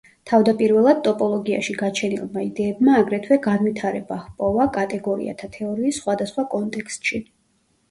თავდაპირველად ტოპოლოგიაში გაჩენილმა იდეებმა აგრეთვე განვითარება ჰპოვა კატეგორიათა თეორიის სხვადასხვა კონტექსტში.